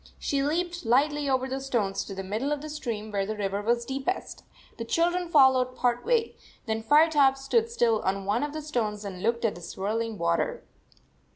She leaped lightly over the stones to the middle of the stream, where the river was deepest. The children followed part way; then Firetop stood still on one of the stones and looked at the swirling water.